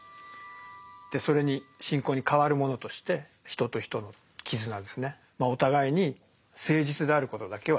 でそれに信仰に代わるものとして人と人の絆ですねお互いに誠実であることだけは大切にしようじゃないかと。